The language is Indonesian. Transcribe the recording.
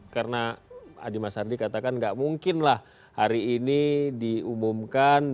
karena adi masardi katakan enggak mungkin lah hari ini diumumkan